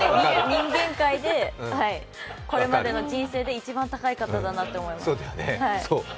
人間界で、これまでの人生で一番高い方だなと思います。